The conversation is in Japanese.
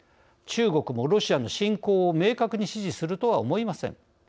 中国もロシアの侵攻を明確に支持するとは思いません。